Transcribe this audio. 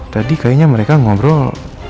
tadi kayaknya mereka ngobrol